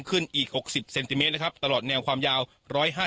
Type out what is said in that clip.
ขึ้นอีก๖๐เซนติเมตรนะครับตลอดแนวความยาว๑๕๐